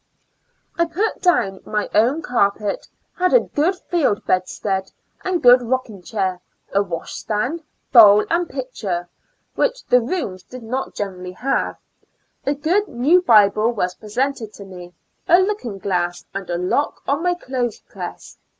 I put down my own carpet, had a good field bedstead and good rocking chair; a washstand, bowl and pitcher, which the rooms did not generally have — a good new bible was presented to me; a looking glass and a lock on my clothespress.